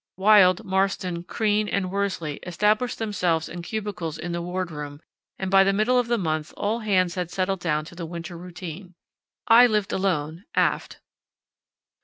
Wild, Marston, Crean, and Worsley established themselves in cubicles in the wardroom, and by the middle of the month all hands had settled down to the winter routine. I lived alone aft.